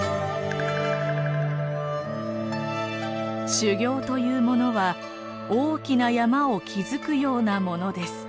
「修行というものは大きな山を築くようなものです」。